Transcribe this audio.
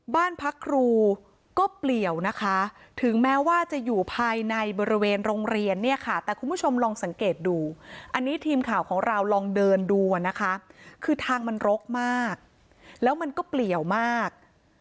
บ้านพักครูก็เปลี่ยวนะคะถึงแม้ว่าจะอยู่ภายในบริเวณโรงเรียนเนี่ยค่ะแต่คุณผู้ชมลองสังเกตดูอันนี้ทีมข่าวของเราลองเดินดูอ่ะนะคะคือทางมันรกมากแล้วมันก็เปลี่ยวมาก